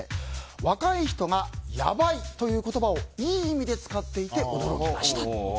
若い人がやばいという言葉をいい意味で使っていて驚きました。